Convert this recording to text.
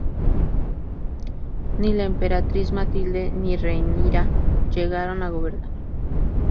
Ni la emperatriz Matilde ni Rhaenyra llegaron a gobernar.